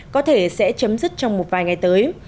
có thể sẽ chấm dứt trong một vài ngày tới